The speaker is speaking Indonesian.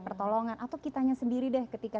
pertolongan atau kitanya sendiri deh ketika